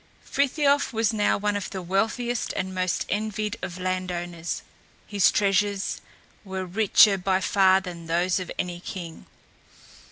Frithiof was now one of the wealthiest and most envied of land owners. His treasures were richer by far than those of any king.